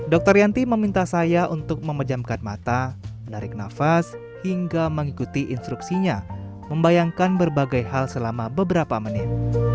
dokter yanti meminta saya untuk memejamkan mata menarik nafas hingga mengikuti instruksinya membayangkan berbagai hal selama beberapa menit